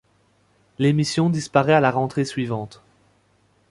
L'émission disparaît à la rentrée suivante.